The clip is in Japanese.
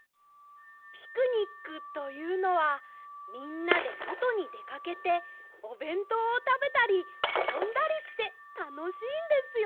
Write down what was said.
ピクニックというのはみんなでそとにでかけておべんとうをたべたりあそんだりしてたのしいんですよ！